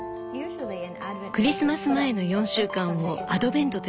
「クリスマス前の４週間をアドベントと呼びます。